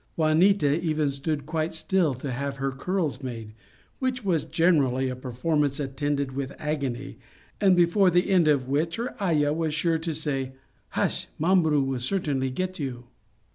Juanita even stood quite still to have her curls made, which was generally a performance attended with agony, and before the end of which her aya was sure to say, " Hush, Mambru will certainly get you